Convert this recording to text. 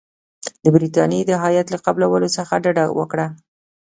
د برټانیې د هیات له قبولولو څخه ډډه وکړه.